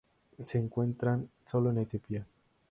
Se encuentran sólo en Etiopía.